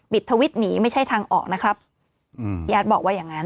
ทวิตหนีไม่ใช่ทางออกนะครับอืมญาติบอกว่าอย่างงั้น